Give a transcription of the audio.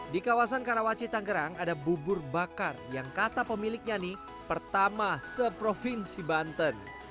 di kawasan karawaci tanggerang ada bubur bakar yang kata pemiliknya nih pertama seprovinsi banten